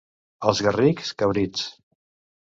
Als Garrics, cabrits.